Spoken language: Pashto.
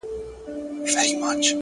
اوس مي د زړه كورگى تياره غوندي دى،